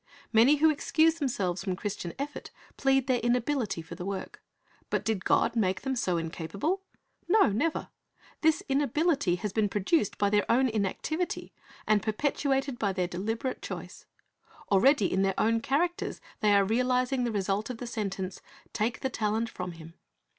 Many who excuse themselves from Christian effort plead their inability for the work. But did God make them so incapable? No, nev^er. «This inability has been produced by their own inactivity, and perpetuated by their deliberate choice. Already, in their own characters, they arc realizing the result of the sentence, "Take the talent from him."